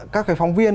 các cái phóng viên